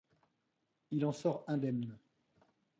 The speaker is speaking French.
Il en sort indemne.